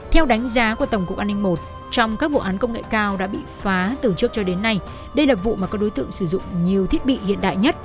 theo đánh giá của tổng cục an ninh một trong các vụ án công nghệ cao đã bị phá từ trước cho đến nay đây là vụ mà các đối tượng sử dụng nhiều thiết bị hiện đại nhất